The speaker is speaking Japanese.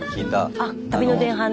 あっ旅の前半で。